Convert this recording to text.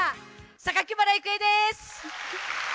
榊原郁恵です。